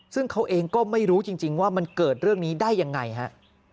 ซึ่งเขาเองก็ไม่รู้จริงว่ามันเกิดเรื่องนี้ได้ยังไงฮะ